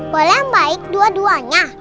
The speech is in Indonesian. boleh yang baik dua duanya